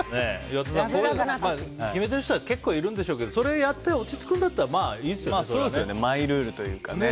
岩田さん、決めてる人は結構いるんでしょうけどそれをやって落ち着くんだったらマイルールというかね。